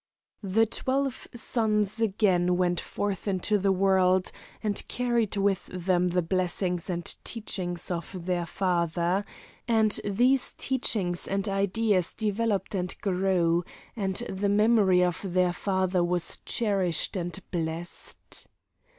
"The twelve sons again went forth into the world and carried with them the blessings and teachings of their father, and these teachings and ideas developed and grew, and the memory of their father was cherished and blessed.